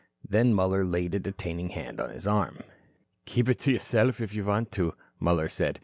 Then Muller laid a detaining hand on his arm. "Keep it to yourself, if you want to," Muller said.